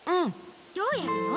どうやるの？